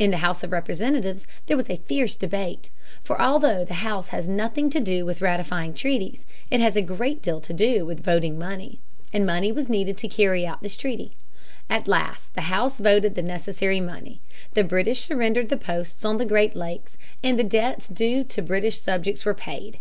In the House of Representatives there was a fierce debate. For although the House has nothing to do with ratifying treaties, it has a great deal to do with voting money. And money was needed to carry out this treaty. At last the House voted the necessary money. The British surrendered the posts on the Great Lakes, and the debts due to British subjects were paid.